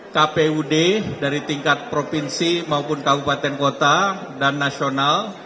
kpud dari tingkat provinsi maupun kabupaten kota dan nasional